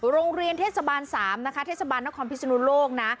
โรงเรียนเทศบาล๓นะคะเทศบาลนครพิศนุโลกนะ